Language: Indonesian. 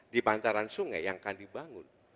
di pantaran sungai yang akan dibangun